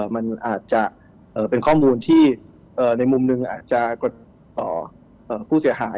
มันอาจจะเป็นข้อมูลที่ในมุมหนึ่งอาจจะกดต่อผู้เสียหาย